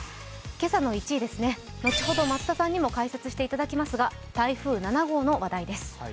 今朝の１位です、後ほど増田さんにも解説していただきますが台風７号の話題です。